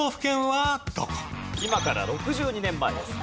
今から６２年前です。